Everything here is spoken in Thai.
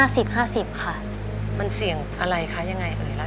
มันเสี่ยงอะไรคะยังไงเอ๋ยเล่าให้ฟังสิ